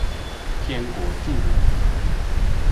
天國近了